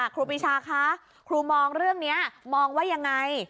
ครูปีชาคะครูมองเรื่องนี้มองว่ายังไง